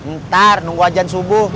ntar nunggu ajaan subuh